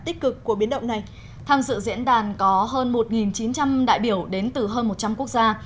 tích cực của biến động này tham dự diễn đàn có hơn một chín trăm linh đại biểu đến từ hơn một trăm linh quốc gia